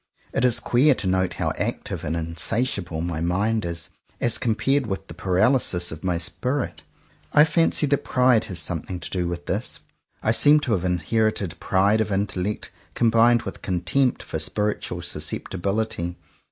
It is queer to note how active and insatiable my mind is, as compared with the paralysis of my spirit. I fancy that pride has something to do with this. I seem to have inherited pride of intellect combined with contempt for spiritual susceptibility.